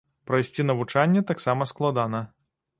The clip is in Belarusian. Прайсці навучанне таксама складана.